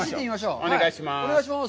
お願いします。